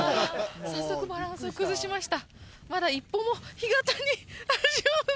早速バランスを崩しました